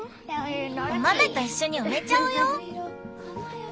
お豆といっしょに埋めちゃうよ！